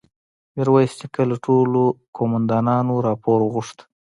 ميرويس نيکه له ټولو قوماندانانو راپور وغوښت.